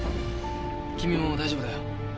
君も大丈夫だよ。